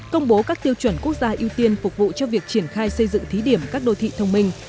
công bố các tiêu chuẩn quốc gia ưu tiên phục vụ cho việc triển khai xây dựng thí điểm các đô thị thông minh